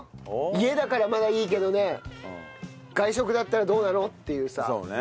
家だからまだいいけどね外食だったらどうなの？」っていうさ。